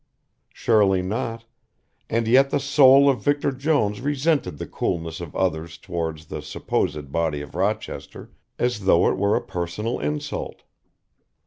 Surely not, and yet the soul of Victor Jones resented the coolness of others towards the supposed body of Rochester, as though it were a personal insult.